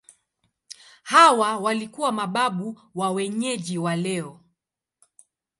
Hawa walikuwa mababu wa wenyeji wa leo.